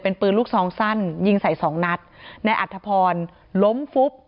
เป็นปืนลูกซองสั้นยิงใส่สองนัดในอัธพรล้มฟุบ